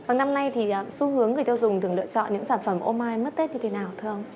vào năm nay thì xu hướng người tiêu dùng thường lựa chọn những sản phẩm omai mất tết như thế nào thưa ông